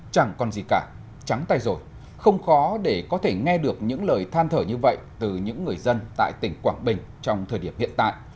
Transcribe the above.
chẳng còn gì cả trắng tay rồi không khó để có thể nghe được những lời than thở như vậy từ những người dân tại tỉnh quảng bình trong thời điểm hiện tại